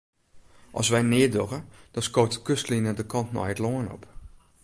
As wy neat dogge, dan skoot de kustline de kant nei it lân op.